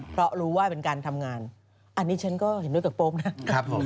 เพราะรู้ว่าเป็นการทำงานอันนี้ฉันก็เห็นด้วยกับโป๊ปนะครับ